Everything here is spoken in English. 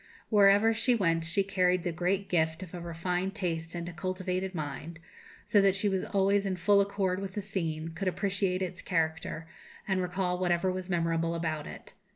Wherever she went she carried the great gift of a refined taste and a cultivated mind, so that she was always in full accord with the scene, could appreciate its character, and recall whatever was memorable about it.